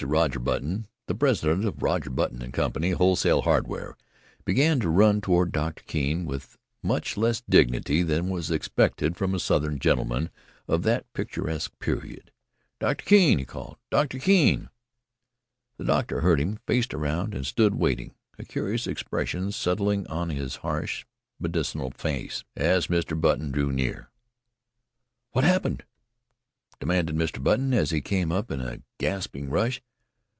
Roger Button, the president of Roger Button & Co., Wholesale Hardware, began to run toward Doctor Keene with much less dignity than was expected from a Southern gentleman of that picturesque period. "Doctor Keene!" he called. "Oh, Doctor Keene!" The doctor heard him, faced around, and stood waiting, a curious expression settling on his harsh, medicinal face as Mr. Button drew near. "What happened?" demanded Mr. Button, as he came up in a gasping rush.